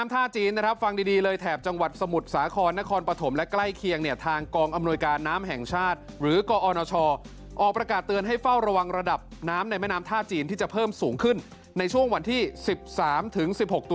ติดตามในเช้านี้ต้องรู้